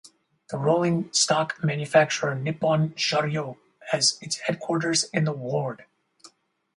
The rolling stock manufacturer Nippon Sharyo has its headquarters in the ward.